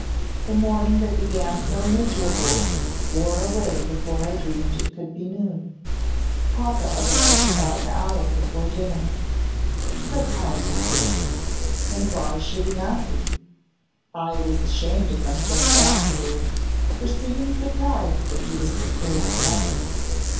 The morning that began so miserably wore away before I dreamed it could be noon. Papa arrived about an hour before dinner. So kind and good! And why should he not be? I was ashamed of myself afterwards for seeming surprised that he was the same as ever.